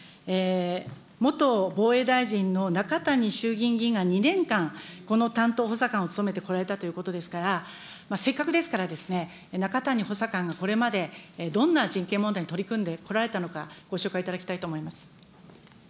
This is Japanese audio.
元防衛大臣のなかたに衆議院議員が２年間、この担当補佐官を務めてこられたということですから、せっかくですから、なかたに補佐官がこれまでどんな人権問題に取り組んでこられたのか、ご紹介いただきたいと思います。